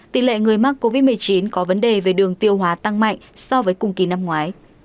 tỷ lệ người mắc covid một mươi chín có vấn đề về đường tiêu hóa tăng mạnh so với cùng kỳ năm ngoái